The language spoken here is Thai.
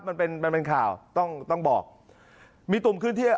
มันเป็นข่าวต้องบอกมีตุ่มขึ้นที่